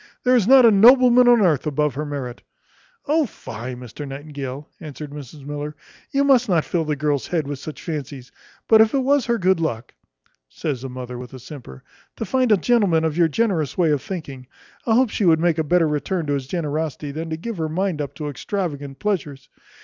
There is not a nobleman upon earth above her merit." "O fie! Mr Nightingale," answered Mrs Miller, "you must not fill the girl's head with such fancies: but if it was her good luck" (says the mother with a simper) "to find a gentleman of your generous way of thinking, I hope she would make a better return to his generosity than to give her mind up to extravagant pleasures.